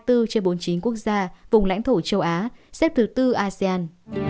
tử vong trên một triệu dân xếp thứ sáu trên bốn mươi chín quốc gia vùng lãnh thổ châu á xếp thứ ba asean